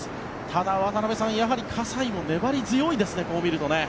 ただ、渡辺さんやはり葛西も粘り強いですね。